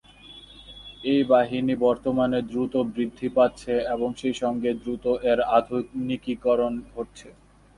এই বাহিনী বর্তমানে দ্রুত বৃদ্ধি পাচ্ছে এবং সেই সঙ্গে দ্রুত এর আধুনিকীকরণ ঘটছে।